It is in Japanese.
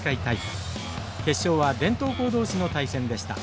決勝は伝統校同士の対戦でした。